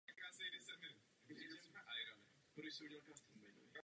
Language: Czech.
V tomto roce také hostil italského místokrále Evžena de Beauharnais.